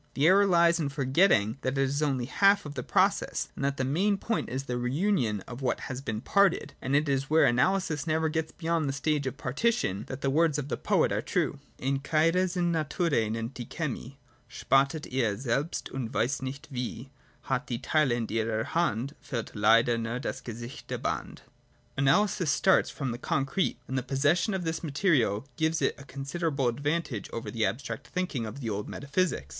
The error hes in for getting that this is only one half of the process, and that the main point is the re union of what has been parted. And it is where analysis never gets beyond the stage of partition that the words of the poet are true :' Encheiresin Naturae ncniit'g bie Sljemic, ©Ijcttet il)ver fc(6ft, unb fteip nirf)t, mic: .§at bie Stjeile in it)rct §anb, ge^tt teiber nur bag geifttge S3anb.' Analysis starts from the concrete ; and the possession of this material gives it a considerable advantage over the abstract thinking of the old metaphysics.